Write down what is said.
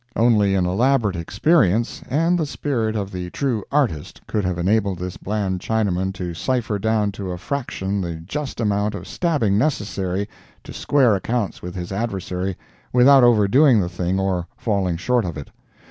Only an elaborate experience and the spirit of the true artist could have enabled this bland Chinaman to cypher down to a fraction the just amount of stabbing necessary to square accounts with his adversary without overdoing the thing or falling short of it.